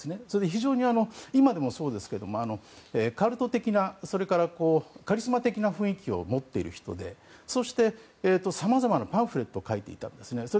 それで非常に今でもそうですがカルト的なそれからカリスマ的な雰囲気を持っている人でそして、様々なパンフレットを書いていたんですね。